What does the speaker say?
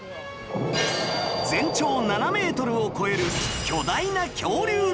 全長７メートルを超える巨大な恐竜ロボット